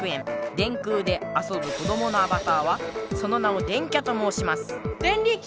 電空で遊ぶこどものアバターはその名を電キャともうしますデンリキ！